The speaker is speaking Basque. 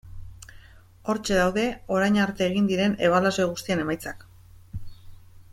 Hortxe daude orain arte egin diren ebaluazio guztien emaitzak.